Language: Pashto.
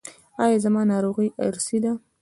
ایا زما ناروغي ارثي ده؟